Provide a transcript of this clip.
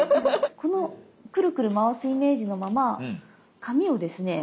このクルクル回すイメージのまま紙をですね